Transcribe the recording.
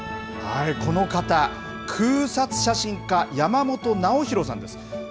この方、空撮写真家、山本直洋さんです。